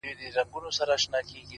تېرېدل د سلطان مخي ته پوځونه٫